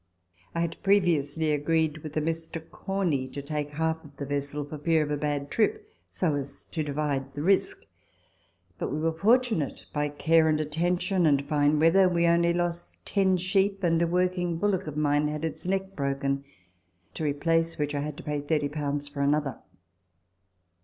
I had previously agreed with a Mr. Corney to take the half of the vessel for fear of a bad trip, so as to divide the risk. But Letters from Victorian Pioneers. 23 we were fortunate. By care and attention and fine weather, we only lost ten sheep, and a working bullock of mine had its neck broken, to replace which I had to pay 30 for another.